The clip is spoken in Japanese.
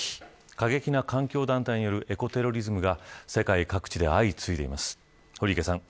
過激な環境団体によるエコテロリズムが世界各地で相次いでいます。